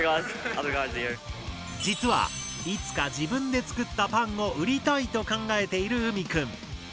実はいつか自分で作ったパンを売りたいと考えているＵＭＩくん。